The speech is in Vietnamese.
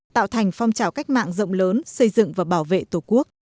tạo thành phong trào cách mạng rộng lớn xây dựng và bảo vệ tổ quốc